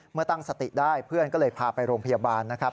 เมื่อตั้งสติได้เพื่อนก็เลยพาไปโรงพยาบาลนะครับ